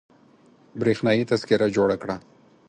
برېښنايي تذکره جوړه کړه